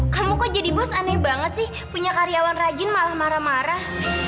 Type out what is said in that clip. kamu kok jadi bus aneh banget sih punya karyawan rajin malah marah marah